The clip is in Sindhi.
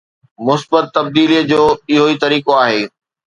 مثبت تبديليءَ جو اهو ئي طريقو آهي.